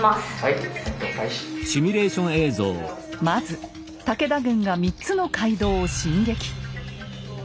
まず武田軍が３つの街道を進撃。